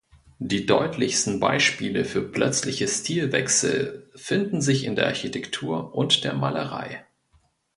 Die deutlichsten Beispiele für plötzliche Stilwechsel finden sich in der Architektur und der Malerei.